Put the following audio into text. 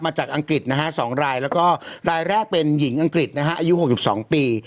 อังกฤษนะฮะ๒รายแล้วก็รายแรกเป็นหญิงอังกฤษนะฮะอายุ๖๒ปี